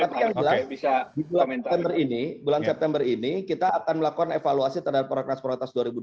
tapi yang jelas bulan september ini kita akan melakukan evaluasi terhadap prolegnas prioritas dua ribu dua puluh satu